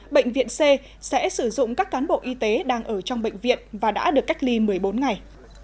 bệnh viện c sẽ sử dụng các cán bộ y tế đang ở trong bệnh viện và đã được cách ly một mươi bốn ngày